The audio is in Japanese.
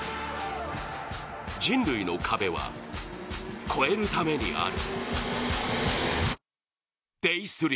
人類の壁は超えるためにある。